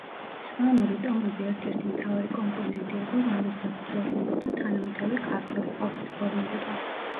სვანური ტომები ერთ-ერთი მთავარი კომპონენტი იყო, რომლის საფუძველზე მოხდა თანამედროვე ქართველი ხალხის ფორმირება.